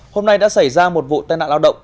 hôm nay đã xảy ra một vụ tai nạn lao động